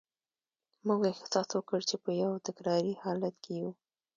موږ احساس وکړ چې په یو تکراري حالت کې یو